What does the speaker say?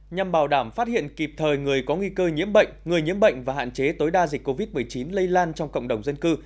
nhằm bảo đảm phát hiện kịp thời người có nguy cơ nhiễm bệnh người nhiễm bệnh và hạn chế tối đa dịch covid một mươi chín lây lan trong cộng đồng dân cư